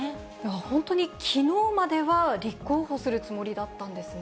本当にきのうまでは立候補するつもりだったんですね。